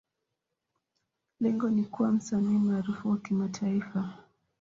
Lengo ni kuwa msanii maarufu wa kimataifa.